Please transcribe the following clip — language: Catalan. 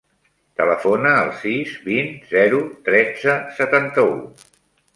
Telefona al sis, vint, zero, tretze, setanta-u.